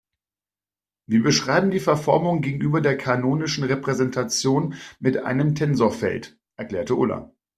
Wir beschreiben die Verformung gegenüber der kanonischen Repräsentation mit einem Tensorfeld, erklärte Ulla.